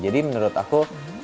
jadi menurut aku